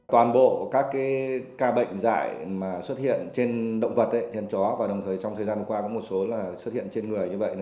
toàn bộ các ca bệnh dạy xuất hiện trên động vật trên chó và đồng thời trong thời gian qua có một số xuất hiện trên người như vậy